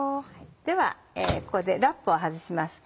ではここでラップを外します。